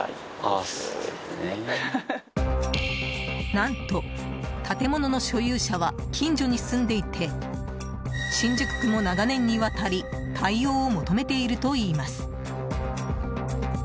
何と、建物の所有者は近所に住んでいて新宿区も長年にわたり対応を求めているといいます。